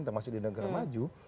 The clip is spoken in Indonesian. termasuk di negara maju